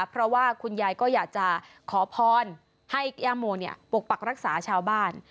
เพราะว่าคุณยายก็อยากจะขอพรให้ย่าโมปกปักรักษาชาวบ้าน